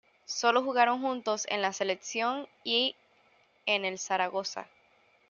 Sólo jugaron juntos en la Selección y en el Zaragoza.